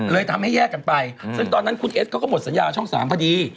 ทำให้แยกกันไปซึ่งตอนนั้นคุณเอสเขาก็หมดสัญญาช่อง๓พอดี